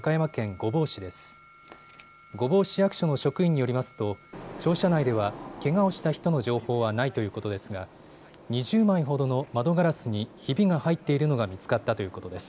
御坊市役所の職員によりますと庁舎内では、けがをした人の情報はないということですが２０枚ほどの窓ガラスにひびが入っているのが見つかったということです。